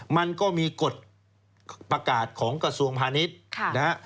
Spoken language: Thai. มันก็มีกฎประกาศของกระทรวงพาณิชย์นะฮะ